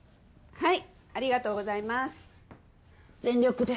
はい。